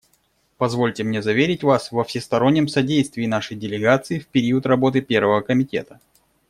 Позвольте мне заверить Вас во всестороннем содействии нашей делегации в период работы Первого комитета.